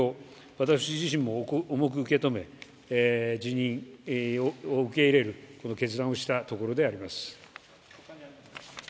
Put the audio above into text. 私自身も重く受け止め辞任を受け入れる決断をしたところであります。